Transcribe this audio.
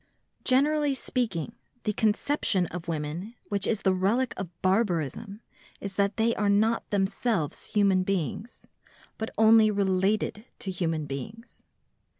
Generally speaking, the conception of women which is the relic of barbarism is that they are not themselves human beings, but only related to human beings.